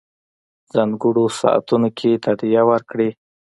ځانګړو ساعتونو کم تادیه ورکړي.